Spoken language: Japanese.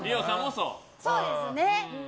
そうですね。